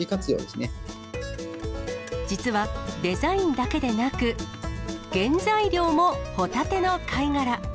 実はデザインだけでなく、原材料もホタテの貝殻。